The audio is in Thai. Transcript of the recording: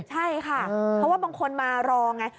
ใช่ค่ะเพราะว่าบางคนมารอไง